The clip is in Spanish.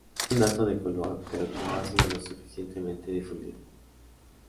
Es un dato de color pero que no ha sido lo suficientemente difundido.